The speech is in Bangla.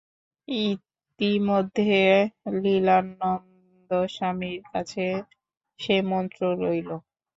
ইতিমধ্যে লীলানন্দস্বামীর কাছে সে মন্ত্র লইল।